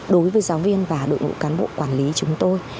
đối với giáo viên và đội ngũ cán bộ quản lý chúng tôi